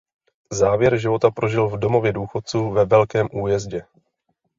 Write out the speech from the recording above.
Závěr života prožil v domově důchodců ve Velkém Újezdě.